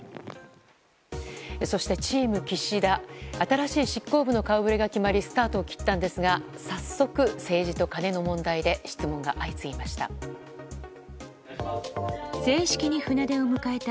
そしてチーム岸田新しい執行部の顔ぶれが決まりスタートを切ったんですが早速、政治とカネの問題で質問が相次ぎました。